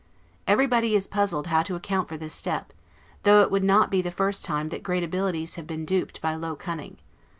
Everybody is puzzled how to account for this step; though it would not be the first time that great abilities have been duped by low cunning.